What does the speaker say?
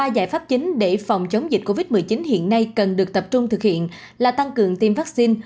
ba giải pháp chính để phòng chống dịch covid một mươi chín hiện nay cần được tập trung thực hiện là tăng cường tiêm vaccine